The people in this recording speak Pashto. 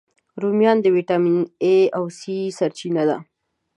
رومیان د ویټامین A، C سرچینه ده